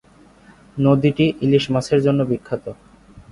নদীটি ইলিশ মাছের জন্য বিখ্যাত।